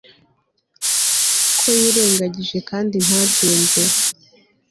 Ko yirengagije kandi ntabyumve